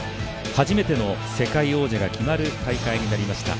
初めての世界王者が決まる戦いになりました